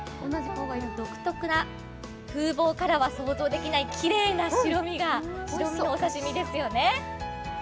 独特な風貌からは想像できないきれいな白身のお魚ですよね。